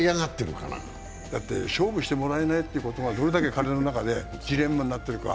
だって勝負してもらえないということがどれだけ彼の中でジレンマになっているか。